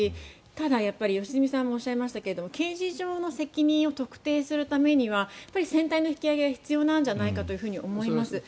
ただ、良純さんもおっしゃいましたけど刑事上の責任を特定するためには船体の引き揚げが必要なんじゃないかと思います。